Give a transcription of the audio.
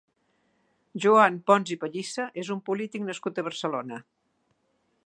Joan Pons i Pellissa és un polític nascut a Barcelona.